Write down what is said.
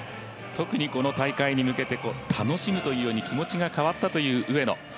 特に、この大会に向けて楽しむというように気持ちが変わったという上野。